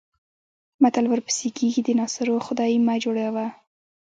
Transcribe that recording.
متل ورپسې کېږي د ناصرو خدۍ مه جوړوه.